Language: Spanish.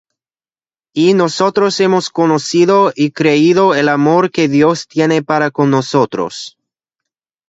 Y nosotros hemos conocido y creído el amor que Dios tiene para con nosotros.